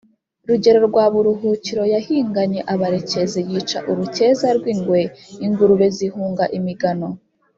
Rugero rwa Buruhukiro yahiganye abarekezi yica urukeza rw’ingwe ingurube zihunga imigano